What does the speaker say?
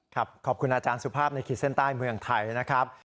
ขอบคุณอาจารย์สุภาพในขีดเส้นใต้เมืองไทยนะครับ